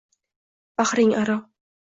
Bahring aro —